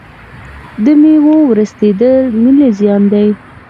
د میوو ورستیدل ملي زیان دی.